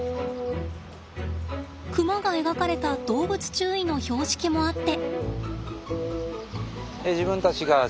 クマが描かれた動物注意の標識もあって。